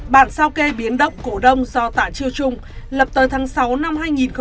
bản sao kê biến động cổ đông do tạ triều trung lập tới tháng sáu năm hai nghìn hai mươi hai